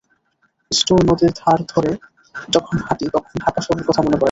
Store নদীর ধার ধরে যখন হাঁটি তখন ঢাকা শহরের কথা মনে পড়ে।